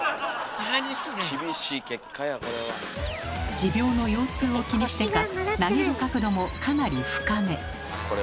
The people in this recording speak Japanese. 持病の腰痛を気にしてか投げる角度もかなり深め。